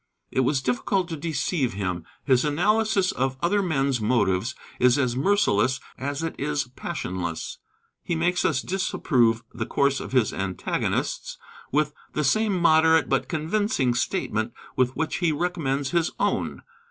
It was difficult to deceive him. His analysis of other men's motives is as merciless as it is passionless. He makes us disapprove the course of his antagonists with the same moderate but convincing statement with which he recommends his own.